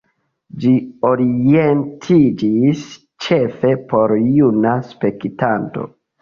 Ĝi orientiĝis ĉefe por juna spektanto.